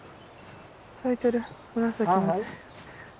咲いてる紫のやつ。